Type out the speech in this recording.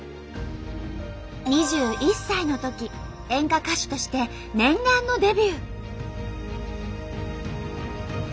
２１歳のとき演歌歌手として念願のデビュー。